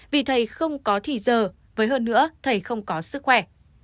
vì thầy không có thì giờ với hơn nữa thầy không có sức khỏe